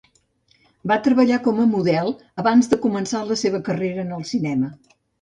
Va Treballar com a model abans de començar la seva carrera en el cinema.